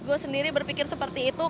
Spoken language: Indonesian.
gue sendiri berpikir seperti itu